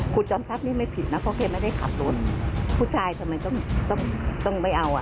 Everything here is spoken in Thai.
คุณจอมทรัพย์นี่ไม่ผิดนะเพราะแกไม่ได้ขับรถผู้ชายทำไมต้องต้องไม่เอาอ่ะ